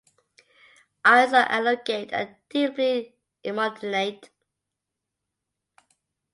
Eyes are elongate and deeply emarginate.